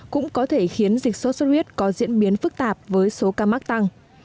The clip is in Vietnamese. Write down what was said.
cũng có thể khiến dịch sốt xuất huyết có diễn biến phức tạp với số ca mắc tăng